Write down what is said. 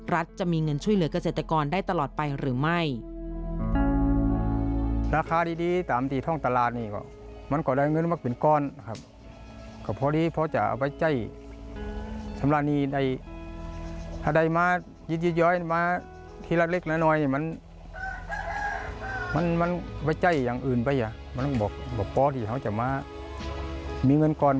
จะมีเงินช่วยเหลือกเกษตรกรได้ตลอดไปหรือไม่